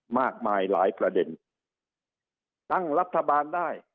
มากมายหลายประเด็นตั้งรัฐบาลได้